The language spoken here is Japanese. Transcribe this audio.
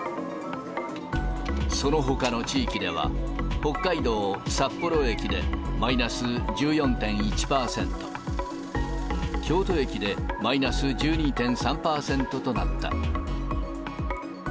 そのほかの地域では、北海道札幌駅でマイナス１４．１％、京都駅でマイナス１２．３％となった。